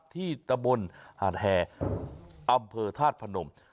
ที่ตะบนหาดแห่อำเภอธาตุพนม